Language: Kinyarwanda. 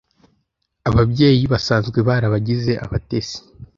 Ababyeyi Basanzwe barabagize abatesi